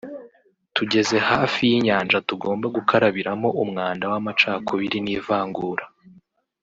tugeze hafi y’inyanja tugomba gukarabiramo umwanda w’amacakubiri n’ivangura